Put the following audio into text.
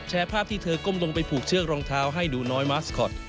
ภาพที่เธอก้มลงไปผูกเชือกรองเท้าให้หนูน้อยมาสคอต